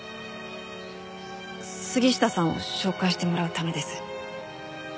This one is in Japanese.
杉下さんを紹介してもらうためです。